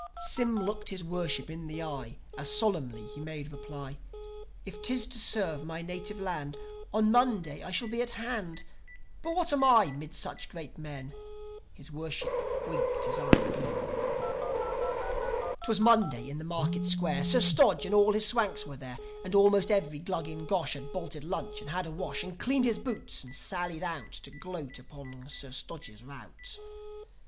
Sym looked his Worship in the eye, As solemnly he made reply: "If 'tis to serve my native land, On Monday I shall be at hand. But what am I 'mid such great men?" His Worship winked his eye again ... 'Twas Monday in the Market Square; Sir Stodge and all his Swanks were there. And almost every Glug in Gosh Had bolted lunch and had a wash And cleaned his boots, and sallied out To gloat upon Sir Stodge's rout.